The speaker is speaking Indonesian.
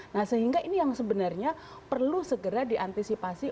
nah sehingga ini yang sebenarnya perlu segera diantisipasi